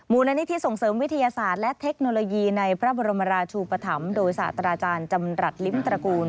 มูลนิธิส่งเสริมวิทยาศาสตร์และเทคโนโลยีในพระบรมราชูปธรรมโดยศาสตราจารย์จำรัฐลิ้มตระกูล